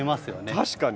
確かに。